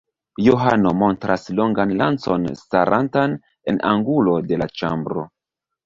Johano montras longan lancon starantan en angulo de la ĉambro.